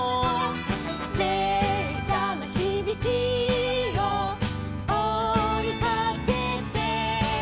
「れっしゃのひびきをおいかけて」